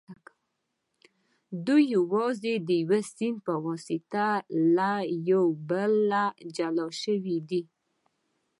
دوی یوازې د یوه سیند په واسطه له یو بله جلا شوي دي